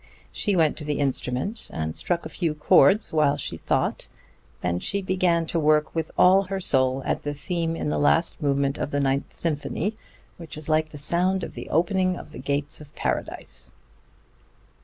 She went to the instrument and struck a few chords while she thought. Then she began to work with all her soul at the theme in the last movement of the Ninth Symphony which is like the sound of the opening of the gates of Paradise.